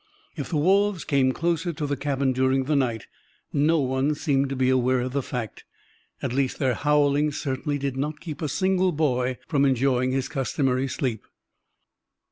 If the wolves came closer to the cabin during the night, no one seemed to be aware of the fact. At least, their howling certainly did not keep a single boy from enjoying his customary sleep.